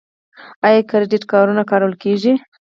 آیا کریډیټ کارتونه کارول کیږي؟